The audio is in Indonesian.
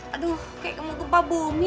aduh kayak kembang gepa bumi